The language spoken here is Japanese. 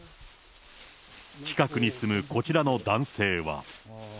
近くに住むこちらの男性は。